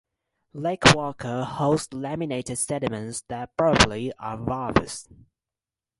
Lake Walker holds laminated sediments that probably are varves.